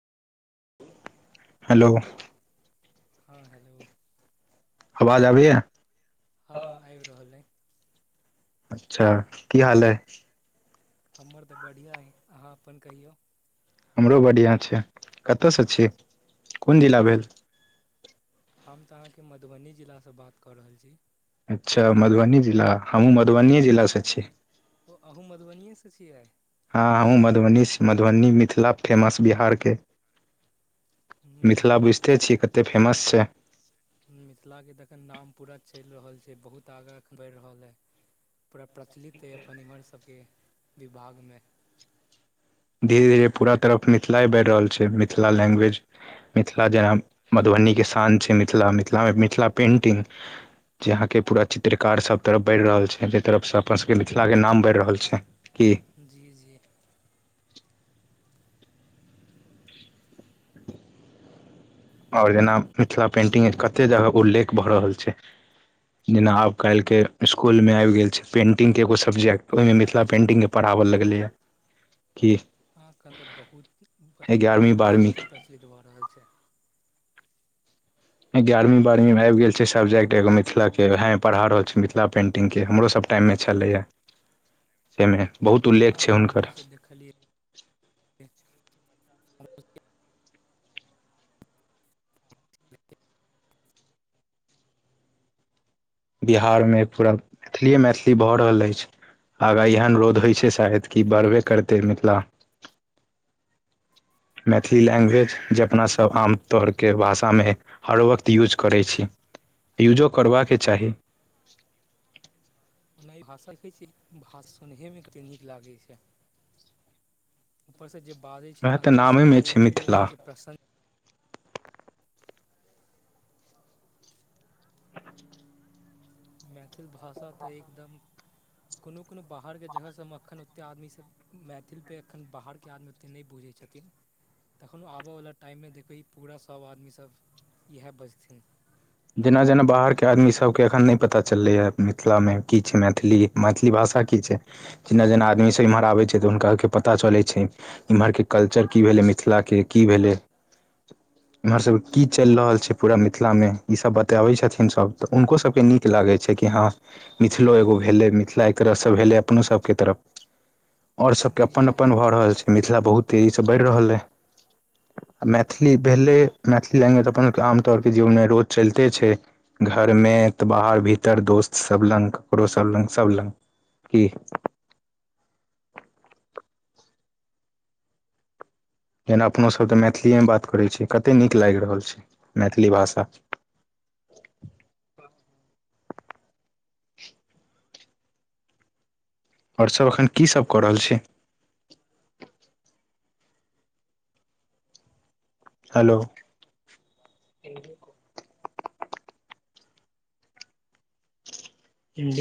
Hello. हँ hello. आवाज अबैए। हँ आइब रहल अइ। अच्छा की हाल ऐ हमर तऽ बढ़िआँ अइ अहाँ अपन कयहियौ। हमरो बढ़िआँ छै कतयसँ छी कोन जिला भेल। हम तऽ अहाँके मधुबनी जिलासँ बात कऽ रहल छी। अच्छा मधुबनी जिला हमहूँ मधुबनिए जिलासँ छी। ओ अहूँ मधुबनियएसँ छियै। हँ हमु मधुबनी से मधुबनी मिथिला फेमस बिहारके। हूँ मिथिला हूँ बुइझते छिये कतेक फेमस छै। हुॅं मिथिलाके कखन नाम पूरा चैल रहल छै बहुत आगाँ बैड रहल अइ। पूरा प्रचलित अइ अपन इम्हर सबके विभागमे। धीरे धीरे पूरा तरफ मिथिलाए बैढ़ रहल छै मिथिला लैंग्वेज। मिथिला जेना मधुबनीके शान छै मिथिला मिथिलामे मिथिला पेन्टिंग। जे अहा के के पूरा चित्रकार सब तरफ बढ़ रहल छै जे तरफ से अपन सब के मिथिला के नाम बैढ़ रहल छै। की जी जी। आओर जेना मिथिला पेन्टिंग कतेक जगह उल्लेख भऽ रहल छै। जेना आब कैल के इसकुलमे एब गेल छै पेन्टिगके एगो सब्जेक्ट ओहिमे मिथिला पेंटिंग के पढ़ाबऽ लगलैए कि अहा के अन्दर बहुत पूरा एगारहवीं बारहवीं प्रचलिते के प्रचलित भए रहल छै। गयारवीं बारहवीं आबि गेल छै सबजेक्ट एगो मिथिला के वेहे पढ़ा रहल छी मिथिला पेंटिंग के हमरो सब- टाइममे छलैए जैमे बहुत हँ उल्लेख छै हँ हुनकर। हमहूँसभ देखलियै। [inaudible] बिहारमे पूरा मैथिलीए मैथिली भऽ रहल अछि। आगाँ इसे अनुरोध होइ छै शायद कि बढ़बे करतै मिथिला। मैथिली लैंग्वेज जे अपना जी सब जी आमतौर के भाषामे हर वक्त यूज करै छी यूजो करबाके चाही। युजो कर [unintelligible] छै। ओना ई भाषा [unintelligible] छीये भाषा सुनहेमे कतेक नीक लागै छै। ऊपर से जे बाजै छै वएह त तऽ अंन्देर से नामेमे छै मुह एते मिथिला आय छै प्रसन्न- मैथिल भाषा तऽ एकदम कोनो कोनो बाहरके जगह सबमे मखन ओते आदमीसभ मैथिल पे एखन बाहरके आदमी ओते नै बुझै छथिन। तखनो आबो वला टाइम मे देखबै पूरा सभ आदमी सब इएह बजथिन। जेना जेना बाहर के आदमी सभ के एखन नय पता चललैए मिथिला मे की छै मैथिली। मैथिली भाषा की छै जेना जेना आदमी सब इम्हर आबे छै तऽ हुनका के पता चले छै। इम्हरके कल्चर की भेलै मिथिला के की भेलै। एम्हर सबके की चलि रहल छै पूरा मिथिला मे। ई सब बताबै छथिन सब तऽ हुनको सबके नीक लागै छै कि हँ मिथिलो एगो भेलै मिथिला एकरहसँ भेलै अपनो सभ के तरफ। ओर सभ के जी अपन जी अपन भऽ रहल छै मिथिला बहुत तेजी सँ बढ़ि रहल अइ। मैथिली भेलै मैथिली लैंग्वेज अपन आमतौर के जीवन मे रोज चलिते छै। घर मे तऽ बाहर भीतर दोस्त सभ लग ककरो सब लग सभ लग। की जेना अपनो सभ तऽ मैथिलीए मे बात करैत छै कतेक नीक लागि रहल छै मैथिली भाषा। ओर सभ एखन की सभ कऽ रहल छी हेलो।